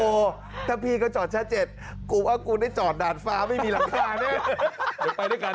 โอ้โฮถ้าพี่ก็จอดชั้น๗กูว่ากูได้จอดด่านฟ้าไม่มีรักษาเนี่ย